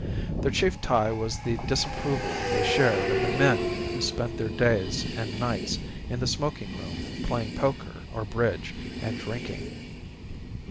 Their chief tie was the disapproval they shared of the men who spent their days and nights in the smoking room playing poker or bridge and drinking.